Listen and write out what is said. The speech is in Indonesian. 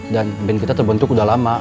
dan band kita terbentuk udah lama